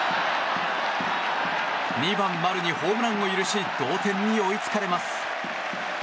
２番、丸にホームランを許し同点に追いつかれます。